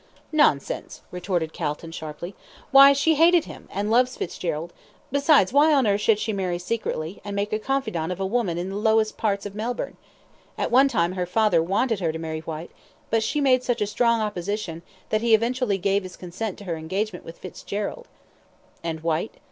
"Nonsense," retorted Calton, sharply. "Why, she hated him and loves Fitzgerald; besides, why on earth should she marry secretly, and make a confidant of a woman in one of the lowest parts of Melbourne? At one time her father wanted her to marry Whyte, but she made such strong opposition, that he eventually gave his consent to her engagement with Fitzgerald." "And Whyte?"